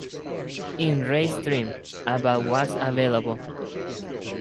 In race trim, about was available.